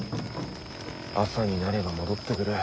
朝になれば戻ってくる。